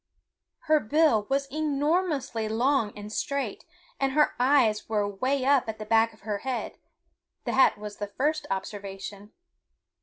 Her bill was enormously long and straight, and her eyes were 'way up at the back of her head that was the first observation.